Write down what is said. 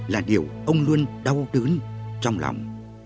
là điều ông luôn đau đớn trong lòng